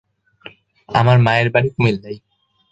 আমার মায়ের বাড়ি কুমিল্লায়।